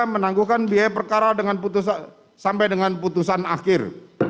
dua menanggungkan biaya perkara sampai dengan putusan akhir